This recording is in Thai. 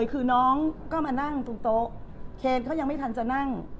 คือน้องก็มานั่งตรงโต๊ะเคนเขายังไม่ทันจะนั่ง